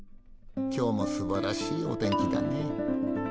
今日もすばらしいお天気だね。